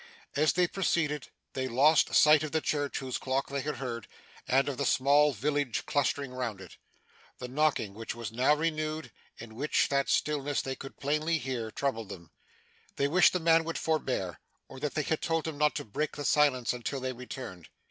As they proceeded, they lost sight of the church whose clock they had heard, and of the small village clustering round it. The knocking, which was now renewed, and which in that stillness they could plainly hear, troubled them. They wished the man would forbear, or that they had told him not to break the silence until they returned.